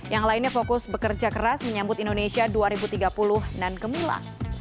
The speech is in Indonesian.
yang lainnya fokus bekerja keras menyambut indonesia dua ribu tiga puluh dan gemula